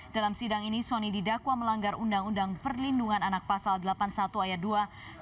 dalam sidang ini sony didakwa melanggar undang undang perlindungan anak pasal delapan puluh satu ayat dua